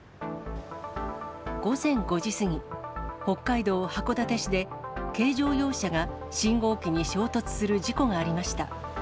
午前５時過ぎ、北海道函館市で、軽乗用車が信号機に衝突する事故がありました。